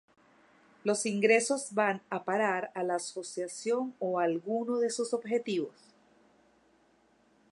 Los ingresos van a parar a la Asociación o a alguno de sus objetivos.